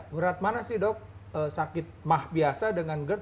berat mana sih dok sakit mah biasa dengan gerd